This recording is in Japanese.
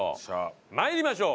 参りましょう。